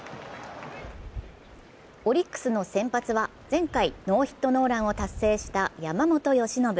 オリックスの先発は前回ノーヒットノーランを達成した山本由伸。